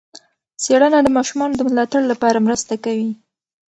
څېړنه د ماشومانو د ملاتړ لپاره مرسته کوي.